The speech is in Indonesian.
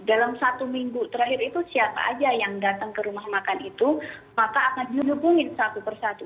dalam satu minggu terakhir itu siapa aja yang datang ke rumah makan itu maka akan dihubungin satu persatu